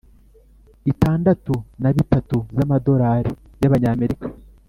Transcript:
itandatu na bitatu z Amadolari y Abanyamerika